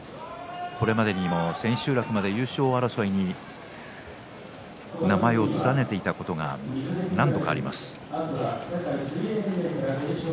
これまでも千秋楽まで優勝争いに名前を連ねていたことが何度かあります。